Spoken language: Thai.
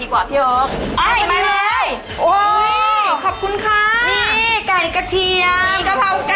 ก็ยัง